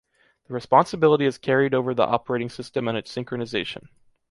The responsibility is carried over the operating system and its synchronization.